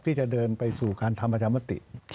ที่จะเดินไปสู่การธรรมชมติ